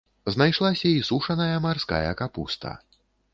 Знайшлася і сушаная марская капуста.